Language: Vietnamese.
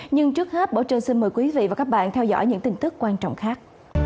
nhưng trước hết bảo trân xin mời quý vị và các bạn theo dõi những tin tức quan trọng khác